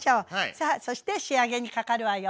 さあそして仕上げにかかるわよ。